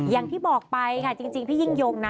อย่างที่บอกไปค่ะจริงพี่ยิ่งยงนะ